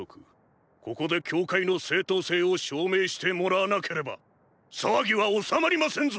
ここで教会の正当性を証明してもらわなければ騒ぎは収まりませんぞ！！